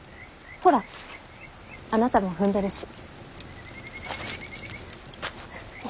ほらあなたも踏んでるし。